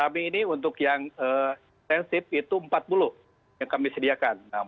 kami ini untuk yang intensif itu empat puluh yang kami sediakan